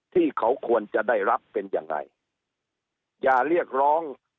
ที่เขาควรจะได้รับเป็นยังไงอย่าเรียกร้อง